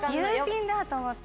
んだと思って。